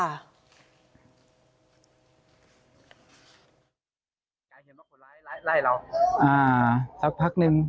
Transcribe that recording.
อ่าสักพักนึง